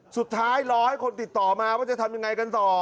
สุดท้ายรอให้คนติดต่อมาว่าจะทำยังไงกันต่อ